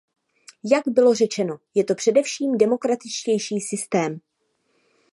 Jak bylo řečeno, je to především demokratičtější systém.